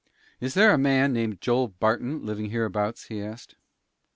"Is there a man named Joel Barton living hereabouts?" he asked.